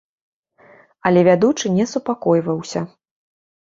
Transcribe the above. Але вядучы не супакойваўся.